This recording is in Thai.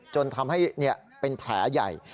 จนทำให้เป็นแผลใหญ่